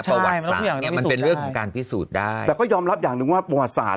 ใช่มันเป็นเรื่องของการพิสูจน์ได้แต่ก็ยอมรับอย่างนึงว่าประวัติศาสตร์